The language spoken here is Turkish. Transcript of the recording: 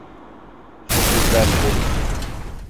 Sürprizlerle dolusun.